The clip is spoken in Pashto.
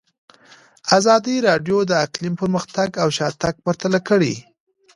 ازادي راډیو د اقلیم پرمختګ او شاتګ پرتله کړی.